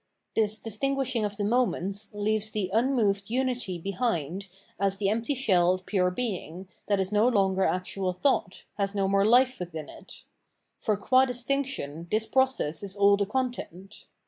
This distinguishing of the moments leaves the unmoved [unity] behind as the empty shell of pure being, that is no longer actual thought, has no more life within it ; for qua distinction this process is all the content.